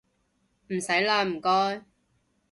唔使喇唔該